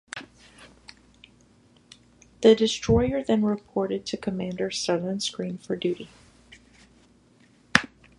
The destroyer then reported to Commander, Southern Screen, for duty.